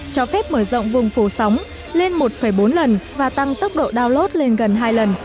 cho phép mở rộng vùng phổ sóng lên một bốn lần và tăng tốc độ downlos lên gần hai lần